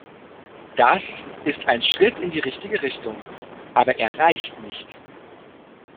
Das ist ein Schritt in die richtige Richtung, aber er reicht nicht.